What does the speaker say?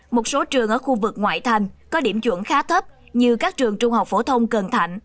một số trường ở khu vực ngoại thành có điểm chuẩn khá thấp như các trường trung học phổ thông cần thạnh